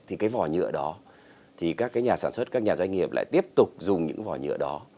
thì cái vỏ nhựa đó thì các cái nhà sản xuất các nhà doanh nghiệp lại tiếp tục dùng những vỏ nhựa đó